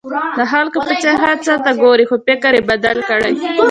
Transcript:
د خلکو په څېر هر څه ته ګورئ خو فکر یې بدل کړئ.